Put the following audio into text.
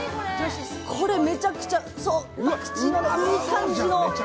これめちゃくちゃいい感じの。